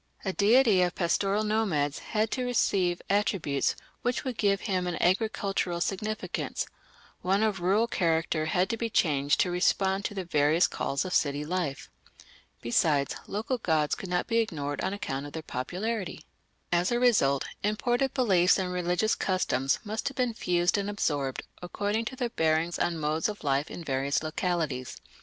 A deity of pastoral nomads had to receive attributes which would give him an agricultural significance; one of rural character had to be changed to respond to the various calls of city life. Besides, local gods could not be ignored on account of their popularity. As a result, imported beliefs and religious customs must have been fused and absorbed according to their bearing on modes of life in various localities.